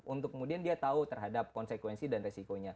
untuk kemudian dia tahu terhadap konsekuensi dan resikonya